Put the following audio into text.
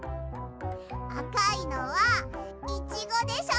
あかいのはイチゴでしょ。